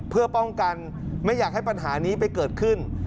เพื่อป้องกันไม่อยากให้ปัญหานี้ไปเกิดขึ้น